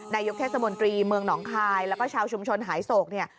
นายกเทศมนตรีเมืองหนองคายแล้วก็ชาวชุมชนหายโศกเนี่ย